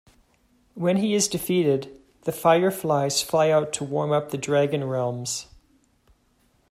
When he is defeated, the fireflies fly out to warm Up the Dragon Realms.